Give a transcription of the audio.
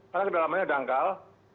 karena kedalamannya dangkal